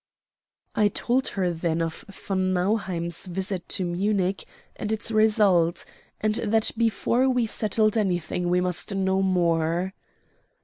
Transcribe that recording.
I told her then of von Nauheim's visit to Munich and its result, and that before we settled anything we must know more.